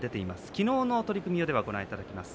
昨日の取組をご覧いただきます。